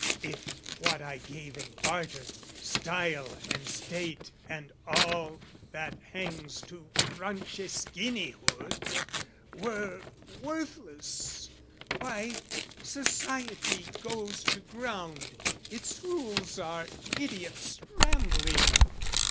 If what I gave in barter, style and state And all that hangs to Franceschinihood, Were worthless, why, society goes to ground, Its rules are idiot's rambling.